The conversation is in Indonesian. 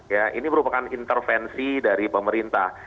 ya ini merupakan intervensi dari pemerintah